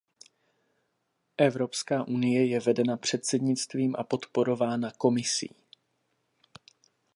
Evropská unie je vedena předsednictvím a podporována Komisí.